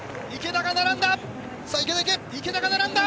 池田が並んだ！